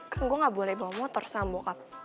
kan gue gak boleh bawa motor sama aku